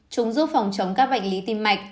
chúng giúp phòng chống các vạch lý tim mạch